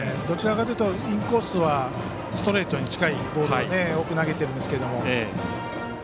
どちらかというとインコースはストレートに近いボールを多く投げてるんですけど。